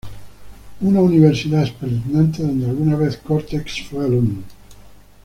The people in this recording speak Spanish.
Una universidad espeluznante donde alguna vez, Cortex fue alumno.